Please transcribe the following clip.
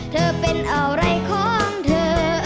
เธอเป็นอะไรของเธอ